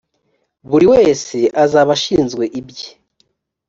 buri wese azaba ashinzwe ibye.